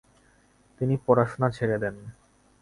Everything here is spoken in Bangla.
তিনি পড়াশোনা ছেড়ে দেন।